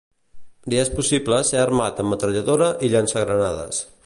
Li és possible ser armat amb metralladora i llançagranades.